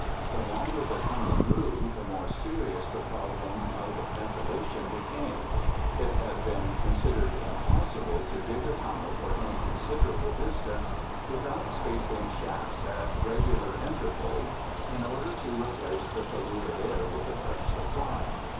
The longer the tunnel grew, the more serious the problem of ventilation became. It had been considered impossible to dig a tunnel for any considerable distance without spacing shafts at regular intervals in order to replace the polluted air with a fresh supply.